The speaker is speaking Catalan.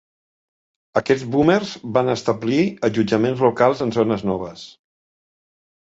Aquests boomers van establir allotjaments locals en zones noves.